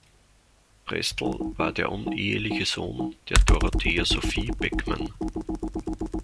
Prestel war der uneheliche Sohn der Dorothea Sophie Beckmann.